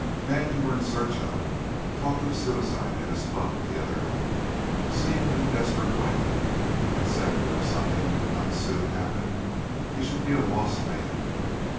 Man you are in search of talked of suicide at his club the other night. Seemed in a desperate way, and said that if something did not soon happen he should be a lost man.